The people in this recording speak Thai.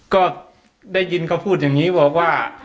ก็ได้ยินเขาพูดอย่างนี้บอกว่า